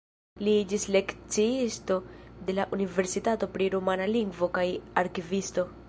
Li iĝis lekciisto de la universitato pri rumana lingvo kaj arkivisto.